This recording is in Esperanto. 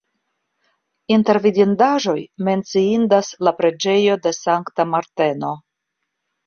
Inter vidindaĵoj menciindas la preĝejo de Sankta Marteno.